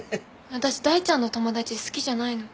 私大ちゃんの友達好きじゃないの。